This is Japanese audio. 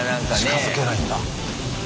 近づけないんだ。